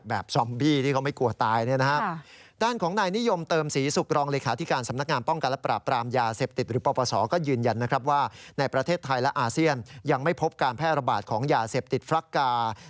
แบบซอมบี้ที่เขาไม่กลัวตายนี่นะฮะ